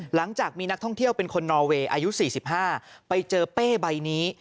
หลังจากมีนักท่องเที่ยวเป็นคนนอเวย์อายุ๔๕ไปเจอเป้ใบนี้